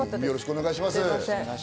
よろしくお願いします。